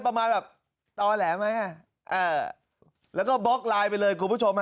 ประมาณแบบตาแหลมไว้่อ่ะอ่าแล้วก็บล็อกลายน์ไปเลย